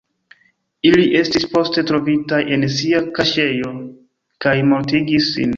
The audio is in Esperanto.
Ili estis poste trovitaj en sia kaŝejo kaj mortigis sin.